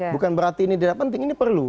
bukan berarti ini tidak penting ini perlu